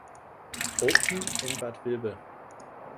Open" in Bad Vilbel.